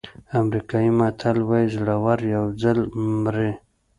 امریکایي متل وایي زړور یو ځل مري.